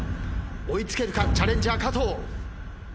追い付けるかチャレンジャー加藤。